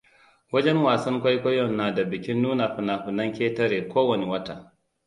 Wajen wasan kwaikwayon na da bikin nuna fina-finan ketare kowane wata.